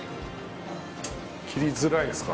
切りづらいですか？